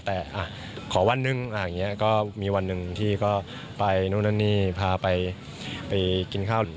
แต่ขอวันหนึ่งอย่างนี้ก็มีวันหนึ่งที่ก็ไปนู่นนั่นนี่พาไปกินข้าว